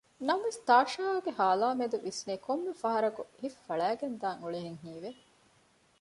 ނަމަވެސް ތާޝާގެ ހާލާއިމެދު ވިސްނޭ ކޮންމެ ފަހަރަކު ހިތް ފަޅައިގެންދާން އުޅޭހެންވެސް ހީވެ